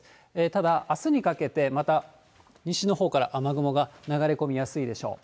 ただ、あすにかけて、また西のほうから雨雲が流れ込みやすいでしょう。